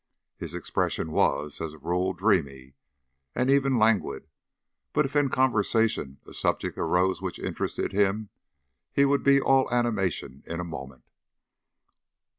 His expression was, as a rule, dreamy, and even languid; but if in conversation a subject arose which interested him he would be all animation in a moment.